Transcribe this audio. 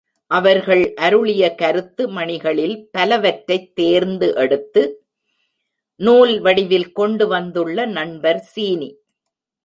அவர்கள் அருளிய கருத்து மணிகளில் பலவற்றைத் தேர்ந்து எடுத்து, நூல் வடிவில் கொண்டு வந்துள்ள நண்பர் சீனி.